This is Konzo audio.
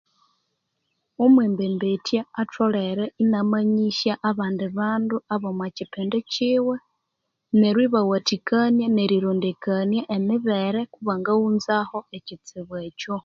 Omwembembetya atholere inyamanyisya abandi bandu omwa kipindi kiwe neryo ibawathikania nerirondekania emibere kubangaghunzaho ekitsibu ekyo